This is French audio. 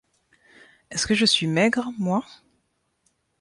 Est-ce que je suis maigre, moi ?